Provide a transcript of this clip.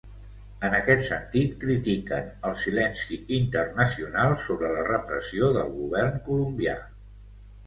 En aquest sentit, critiquen el silenci internacional sobre la repressió del govern colombià.